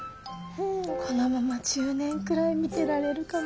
このまま１０年くらい見てられるかも。